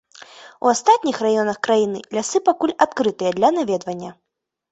У астатніх раёнах краіны лясы пакуль адкрытыя для наведвання.